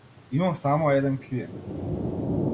Имам само еден клиент.